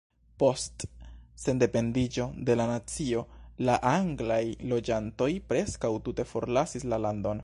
Post sendependiĝo de la nacio, la anglaj loĝantoj preskaŭ tute forlasis la landon.